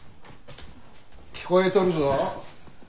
聞こえとるぞ。